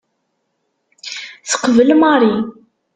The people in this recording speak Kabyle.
Teqbel Mary.